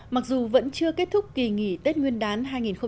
mặc dù vẫn chưa kết thúc kỳ nghỉ tết nguyên đán hai nghìn một mươi tám